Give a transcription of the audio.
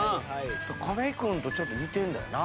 亀井君とちょっと似てるんだよな。